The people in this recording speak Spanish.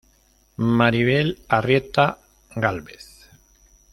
Maribel Arrieta Gálvez